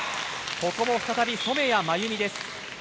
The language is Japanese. ここも再び染谷真有美です。